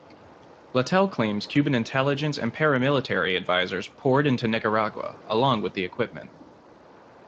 Latell claims Cuban intelligence and paramilitary advisors poured into Nicaragua along with the equipment.